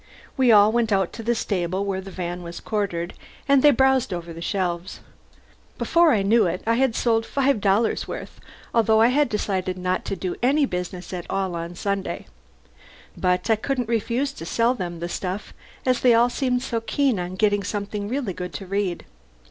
We all went out to the stable, where the van was quartered, and they browsed over the shelves. Before I knew it I had sold five dollars' worth, although I had decided not to do any business at all on Sunday. But I couldn't refuse to sell them the stuff as they all seemed so keen on getting something really good to read.